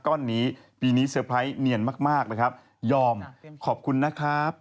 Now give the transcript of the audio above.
กระเทยเก่งกว่าเออแสดงความเป็นเจ้าข้าว